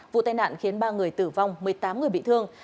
vụ tai nạn khiến ba người tử vong một mươi tám người bị thương